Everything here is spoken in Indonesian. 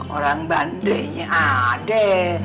orang bandenya adek